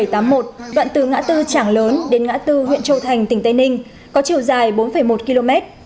đoạn từ ngã tư trảng lớn đến ngã tư huyện châu thành tỉnh tây ninh có chiều dài bốn một km